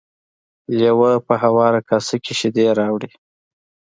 لیوه په هواره کاسه کې شیدې راوړې.